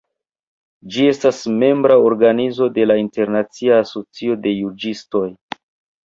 Ĝi estas membra organizo de la Internacia Asocio de Juĝistoj.